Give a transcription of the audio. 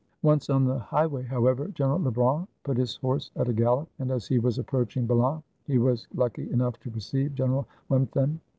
Once on the highway, however. General Lebrun put his horse at a gallop, and as he was approaching Balan, he was lucky enough to perceive General Wimpffen.